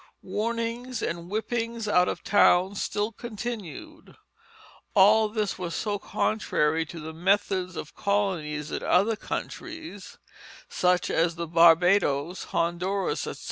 Warnings and whippings out of town still continued. All this was so contrary to the methods of colonies in other countries, such as the Barbadoes, Honduras, etc.